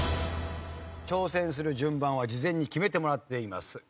挑戦する順番は事前に決めてもらっています。